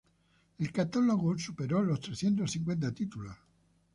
El catálogo superó los trescientos cincuenta títulos.